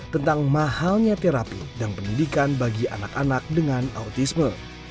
tentang mahalnya terapi dan pendidikan bagi anak anak dengan autisme